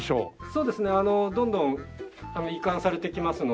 そうですねあのどんどん移管されてきますので。